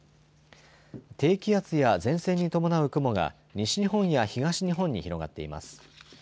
低気圧や前線に伴う雲が西日本や東日本に広がっています。